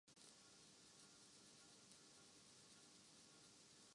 سات جنموں کی قسم ٹنڈو دم میں اجتماعی ہندو شادی کی جھلکیاں